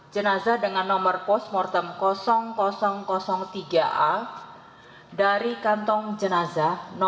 lima jenazah nomor postmortem satu ratus tiga a dari kantong jenazah nomor dvi garis miring layan tanjung priuk garis miring tiga